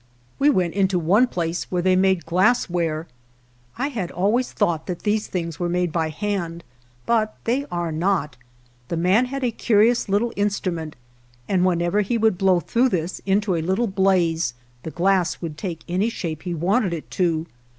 We went into one place where they made glassware. I had always thought that these things were made by hand, but they are not. The man had a curious little instrument, and whenever he would blow through this into a little blaze the glass would take any shape he wanted it to.